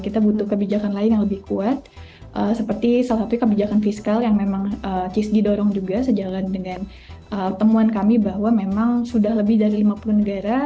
kita butuh kebijakan lain yang lebih kuat seperti salah satu kebijakan fiskal yang memang cisdi dorong juga sejalan dengan temuan kami bahwa memang sudah lebih dari lima puluh negara